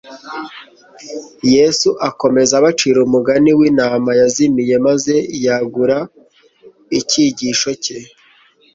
Yesu akomeza abacira umugani w'intama yazimiye maze yagura icyigisho cye